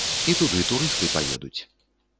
І туды турысты паедуць.